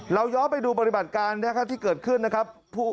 เราย้อไปดูบริบัติการที่เกิดขึ้นนะครับ